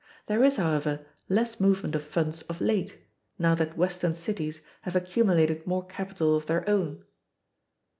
There is, however, less movement of funds of late, now that Western cities have accumulated more capital of their own.